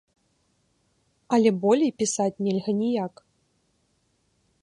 Але болей пісаць нельга ніяк.